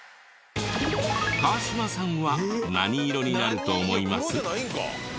川島さんは何色になると思います？